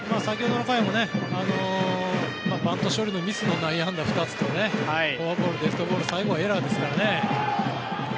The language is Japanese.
先ほどの回もバント処理のミスの内野安打２つとフォアボール、デッドボール最後はエラーですから。